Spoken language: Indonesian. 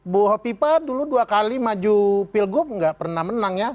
bu hopipa dulu dua kali maju pilgub nggak pernah menang ya